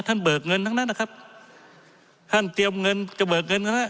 ท่านเบิกเงินทั้งนั้นล่ะครับท่านเตรียมเงินจะเบิกเงินทั้งนั้น